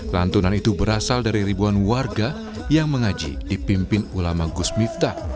lantunan itu berasal dari ribuan warga yang mengaji dipimpin ulama gus miftah